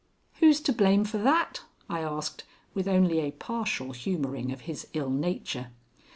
"Who's to blame for that?" I asked, with only a partial humoring of his ill nature.